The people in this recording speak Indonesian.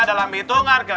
dalam hitung harga